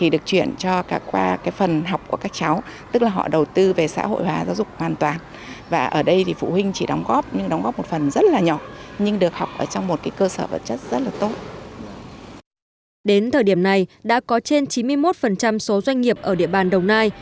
đến thời điểm này đã có trên chín mươi một số doanh nghiệp ở địa bàn đồng nai